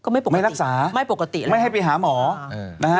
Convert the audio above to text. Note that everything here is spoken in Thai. ไม่รักษาไม่ปกติไม่ให้ไปหาหมอ